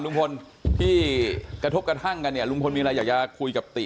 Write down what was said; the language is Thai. ลุงพลที่กระทบกระทั่งกันเนี่ยลุงพลมีอะไรอยากจะคุยกับติ